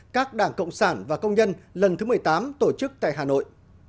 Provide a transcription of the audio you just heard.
các đảng cộng sản và công nhân lần thứ một mươi tám tổ chức tại hà nội